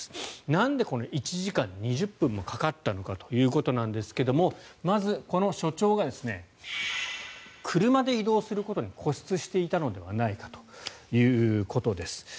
なんで１時間２０分もかかったのかということですがまず、この署長が車で移動することに固執していたのではないかということです。